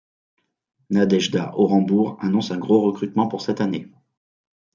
Nadejda Orenbourg annonce un gros recrutement pour cette année.